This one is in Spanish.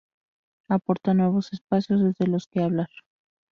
aporta nuevos espacios desde los que hablar